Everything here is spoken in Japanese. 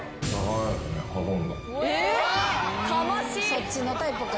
そっちのタイプか。